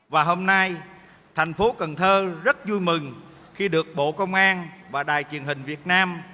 và hôm nay thành phố cần thơ rất vui mừng khi được bộ công an và đài truyền hình việt nam